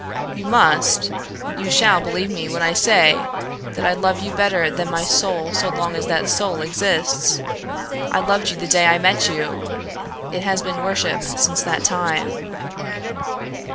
You must, you shall believe me when I say that I will love you better than my soul so long as that soul exists. I loved you the day I met you. It has been worship since that time."